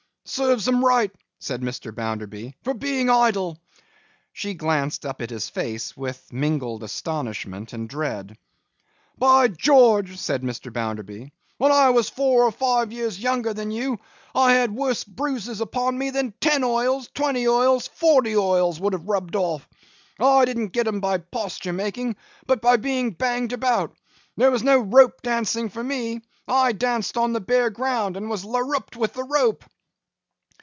'Serve 'em right,' said Mr. Bounderby, 'for being idle.' She glanced up at his face, with mingled astonishment and dread. 'By George!' said Mr. Bounderby, 'when I was four or five years younger than you, I had worse bruises upon me than ten oils, twenty oils, forty oils, would have rubbed off. I didn't get 'em by posture making, but by being banged about. There was no rope dancing for me; I danced on the bare ground and was larruped with the rope.